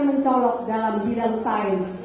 mencolok dalam bidang sains